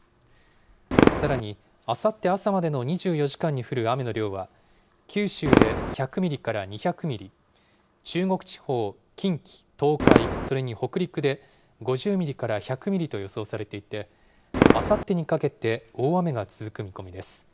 さらに、あさって朝までの２４時間に降る雨の量は、九州で１００ミリから２００ミリ、中国地方、近畿、東海、それに北陸で５０ミリから１００ミリと予想されていて、あさってにかけて大雨が続く見込みです。